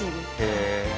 へえ！